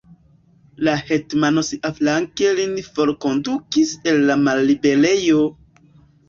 La hetmano siaflanke lin forkondukis el la malliberejo!